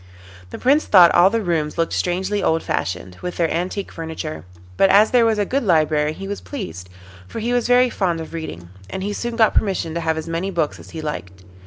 The Prince thought all the rooms looked strangely old fashioned, with their antique furniture, but as there was a good library he was pleased, for he was very fond of reading, and he soon got permission to have as many books as he liked.